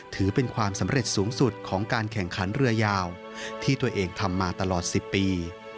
ถือเป็นความสำเร็จสูงสุดของการแข่งขันเรือยาวที่ตัวเองทำมาตลอด๑๐ปี